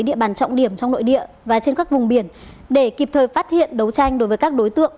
địa bàn trọng điểm trong nội địa và trên các vùng biển để kịp thời phát hiện đấu tranh đối với các đối tượng